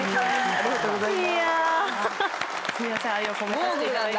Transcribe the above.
ありがとうございます。